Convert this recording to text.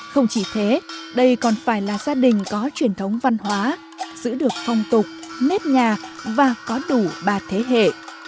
không chỉ thế đây còn phải là gia đình có truyền thống văn hóa giữ được phong tục nếp nhà và có đủ ba thế hệ